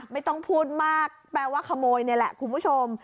ไม่ต้องพูดมากแปลว่าขโมยนี่แหละคุณผู้ชม